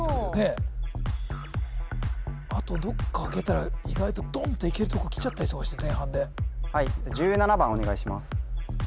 幅はもうあとどっか開けたら意外とドンっていけるとこきちゃったりとかして前半ではい１７番お願いします